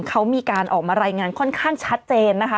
เขามีการออกมารายงานค่อนข้างชัดเจนนะคะ